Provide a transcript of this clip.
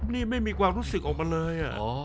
นี่ไม่มีความรู้สึกออกมาเลย